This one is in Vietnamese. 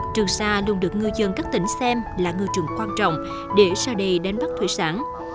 trường sa luôn được ngư dân các tỉnh xem là ngư trường quan trọng để sau đây đánh bắt thủy sản